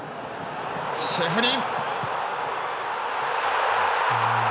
シェフリ。